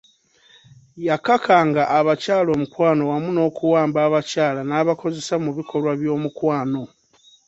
Yakakanga abakyala omukwano wamu n'okuwamba abakyala n'abakozesa mu bikolwa by'omukwano.